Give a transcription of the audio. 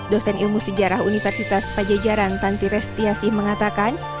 dosen ilmu sejarah universitas pajajaran tanti restiasi mengatakan